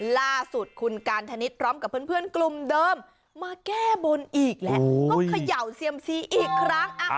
ล่าสุดคุณการธนิษฐ์พร้อมกับเพื่อนกลุ่มเดิมมาแก้บนอีกแล้วก็เขย่าเซียมซีอีกครั้ง